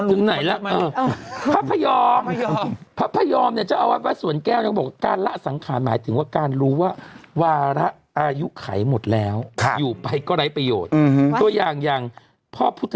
อืมไม่ล่ะยังไงอ่าตกลงมาลูก